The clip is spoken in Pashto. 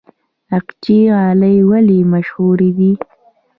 اقچې غالۍ ولې مشهورې دي؟